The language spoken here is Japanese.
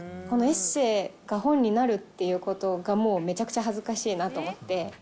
このエッセイが本になるっていうことが、もうめちゃくちゃ恥ずかしいなと思って。